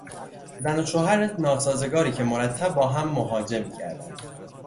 زن و شوهر ناسازگاری که مرتب با هم محاجه میکردند